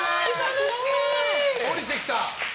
降りてきた！